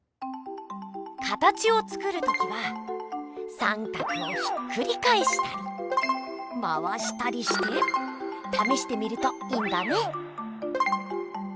かたちをつくるときは三角をひっくりかえしたり回したりしてためしてみるといいんだね。